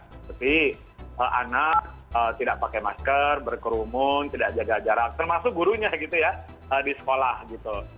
seperti anak tidak pakai masker berkerumun tidak jaga jarak termasuk gurunya gitu ya di sekolah gitu